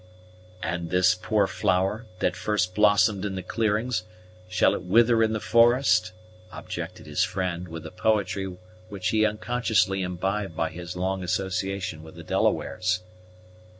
"And this poor flower, that first blossomed in the clearings shall it wither in the forest?" objected his friend, with a poetry which he had unconsciously imbibed by his long association with the Delawares.